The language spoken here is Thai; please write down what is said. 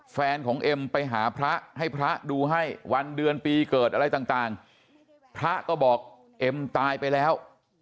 แฟนของเอ็มไปหาพระให้พระดูให้วันเดือนปีเกิดอะไรต่างพระก็บอกเอ็มตายไปแล้ว